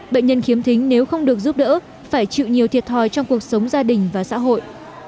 bệnh nhân khiếm thính nếu không được giúp đỡ phải chịu nhiều thiệt thòi trong cuộc sống gia đình và xã hội